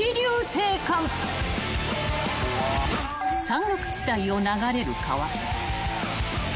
［山岳地帯を流れる川］